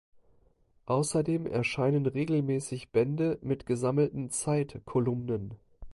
Außerdem erscheinen regelmäßig Bände mit gesammelten "Zeit-"Kolumnen.